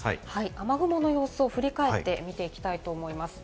雨雲の様子を振り返ってみていきたいと思います。